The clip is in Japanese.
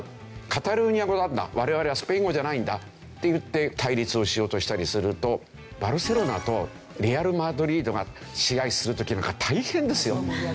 カタルーニャ語なんだ我々はスペイン語じゃないんだって言って対立をしようとしたりするとバルセロナとレアル・マドリードが試合する時なんか大変ですよ。